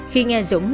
khi nghe dũng